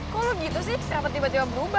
kok lo gitu sih kenapa tiba tiba berubah